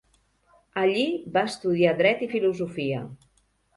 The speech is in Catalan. Allí va estudiar dret i filosofia.